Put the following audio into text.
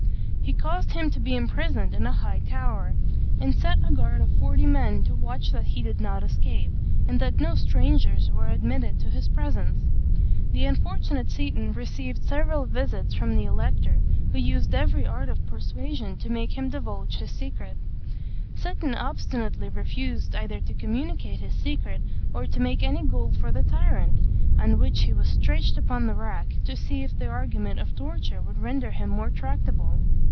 He caused him to be imprisoned in a high tower, and set a guard of forty men to watch that he did not escape, and that no strangers were admitted to his presence. The unfortunate Seton received several visits from the elector, who used every art of persuasion to make him divulge his secret. Seton obstinately refused either to communicate his secret, or to make any gold for the tyrant; on which he was stretched upon the rack, to see if the argument of torture would render him more tractable.